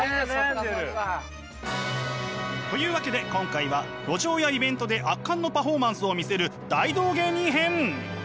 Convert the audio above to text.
そっかそっか。というわけで今回は路上やイベントで圧巻のパフォーマンスを見せる大道芸人編！